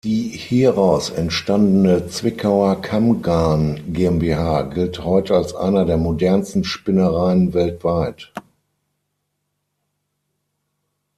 Die hieraus entstandene Zwickauer Kammgarn GmbH gilt heute als eine der modernsten Spinnereien weltweit.